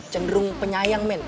cenderung penyayang men